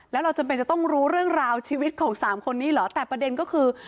แล้วเราจำเป็นจะต้องรู้เรื่องราวชีวิตของสามคนนี้เหรอแต่ประเด็นก็คือ